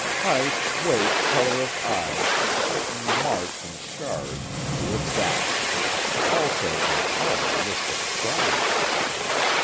Height, weight, color of eyes, certain marks and scars—to a dot. Also an appalling list of crimes.